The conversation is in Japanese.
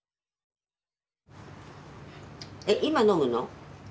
えっ今飲むの？